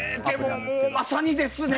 でも、まさにですね。